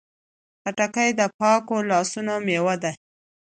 خټکی د پاکو لاسونو میوه ده.